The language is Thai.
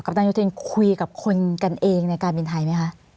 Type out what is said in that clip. นายุเทนคุยกับคนกันเองในการบินไทยไหมคะ